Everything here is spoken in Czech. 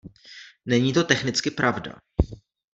Není to technicky pravda.